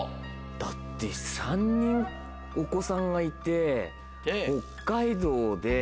だって３人お子さんがいて北海道で。